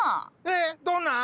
えっどんな？